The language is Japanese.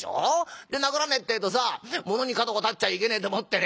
で殴らねえってえとさものに角が立っちゃいけねえと思ってね